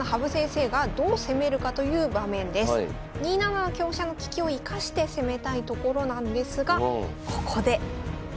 ２七の香車の利きを生かして攻めたいところなんですがここで。